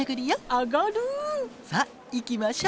さあ行きましょ。